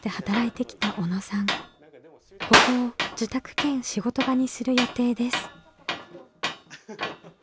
ここを自宅兼仕事場にする予定です。